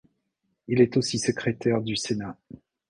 Il est aussi secrétaire du Sénat.